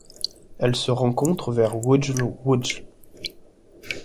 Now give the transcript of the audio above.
Elle se rencontre vers Wudjl Wudjl.